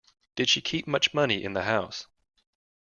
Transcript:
Did she keep much money in the house?